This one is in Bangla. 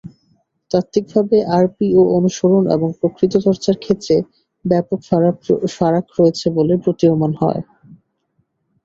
তাত্ত্বিকভাবে আরপিও অনুসরণ এবং প্রকৃত চর্চার ক্ষেত্রে ব্যাপক ফারাক রয়েছে বলে প্রতীয়মান হয়।